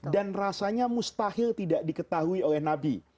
dan rasanya mustahil tidak diketahui oleh nabi